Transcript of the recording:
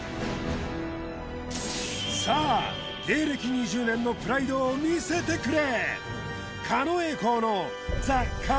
２０年のプライドを見せてくれ！